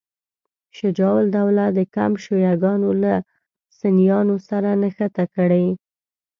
شجاع الدوله د کمپ شیعه ګانو له سنیانو سره نښته کړې.